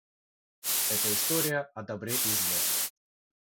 Эта история о добре и зле